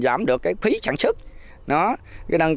tạo được quy tính và thương hiệu riêng